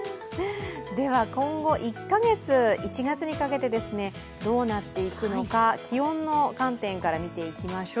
今後１カ月、１月にかけてどうなっていくのか気温の観点から見ていきましょう。